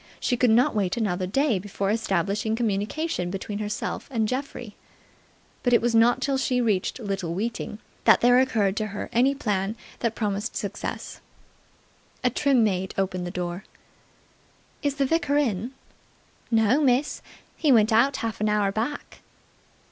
She could not wait another day before establishing communication between herself and Geoffrey. But it was not till she reached Little Weeting that there occurred to her any plan that promised success. A trim maid opened the door. "Is the vicar in?" "No, miss. He went out half an hour back."